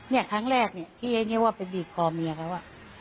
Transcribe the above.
เนี่ยครั้งแรกเนี่ยพี่ไอ้เนี่ยว่าไปบีบคอเมียเขาอ่ะ